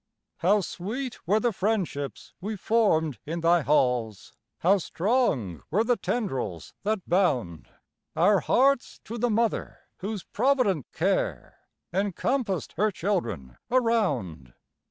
How sweet were the friendships we formed in thy halls! How strong were the tendrils that bound Our hearts to the mother whose provident care Encompassed her children around!